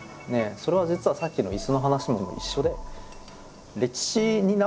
それは実はさっきの椅子の話も一緒で。